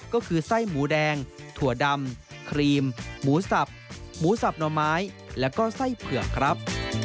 ก็คือไส้หมูแดงถั่วดำครีมหมูสับหมูสับหน่อไม้แล้วก็ไส้เผือกครับ